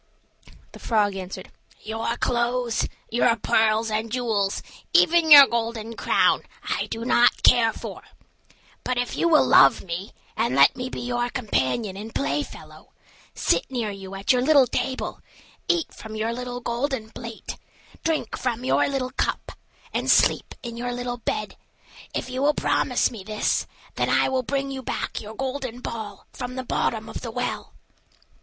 The frog answered, "Your clothes, your pearls and jewels, even your golden crown, I do not care for; but if you will love me, and let me be your companion and play fellow, sit near you at your little table, eat from your little golden plate, drink from your little cup, and sleep in your little bed if you will promise me this, then I will bring you back your golden ball from the bottom of the well."